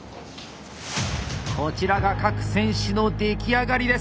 こちらが各選手の出来上がりです！